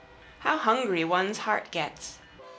How hungry one's heart gets!